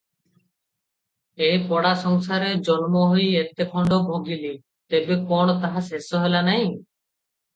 ଏ ପୋଡ଼ା ସଂସାରରେ ଜନ୍ମ ହୋଇ ଏତେଦଣ୍ଡ ଭୋଗିଲି ତେବେ କଣ ତାହା ଶେଷ ହେଲା ନାହିଁ ।